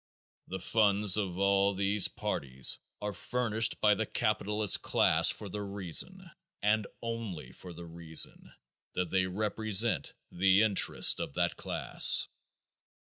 The funds of all these parties are furnished by the capitalist class for the reason, and only for the reason, that they represent the interests of that class.